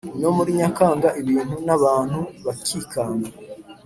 no muri Nyakanga Ibintu n’abantu bakikanga